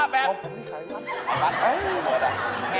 เคยใช้ป่ะเคยใช้